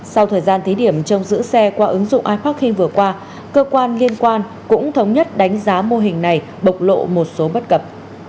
sau thời gian thí điểm trong giữ xe qua ứng dụng iparkin vừa qua cơ quan liên quan cũng thống nhất đánh giá mô hình này bộc lộ một số bất cập